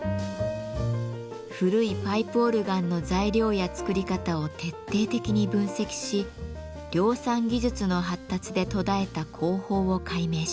古いパイプオルガンの材料や作り方を徹底的に分析し量産技術の発達で途絶えた工法を解明します。